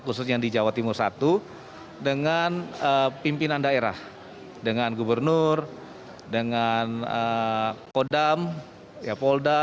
khususnya di jawa timur i dengan pimpinan daerah dengan gubernur dengan kodam polda